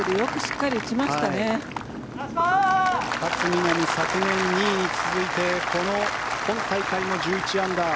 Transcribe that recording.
みなみ昨年２位に続いてこの今大会も１１アンダー。